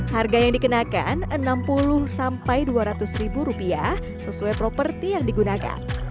harga yang dikenakan rp enam puluh dua ratus sesuai properti yang digunakan